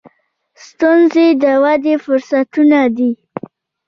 • ستونزې د ودې فرصتونه دي.